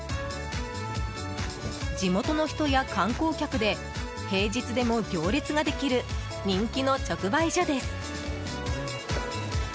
地元の人や観光客で平日でも行列ができる人気の直売所です。